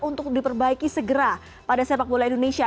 untuk diperbaiki segera pada sepak bola indonesia